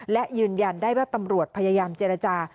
และยืนยันได้ว่าตำรวจพยายามเจรจา